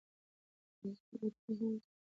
داسې خو به ته یې هم کوې